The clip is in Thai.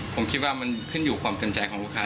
ผมคิดว่ามันขึ้นอยู่ความเต็มใจของลูกค้า